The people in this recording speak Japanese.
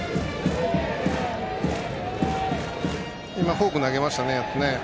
フォーク投げましたね。